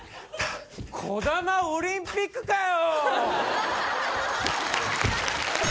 こだまオリンピックかよ！